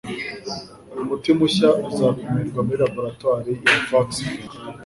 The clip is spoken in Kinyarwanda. uyu muti mushya uzapimirwa muri laboratoire ya vaxgen